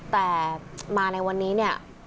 แต่มาในวันนี้เนี่ย